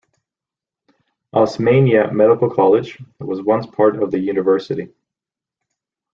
Osmania Medical College was once a part of the university.